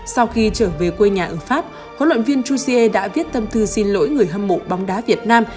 sau khi trở về quê nhà ở pháp huấn luyện viên jose đã viết tâm thư xin lỗi người hâm mộ bóng đá việt nam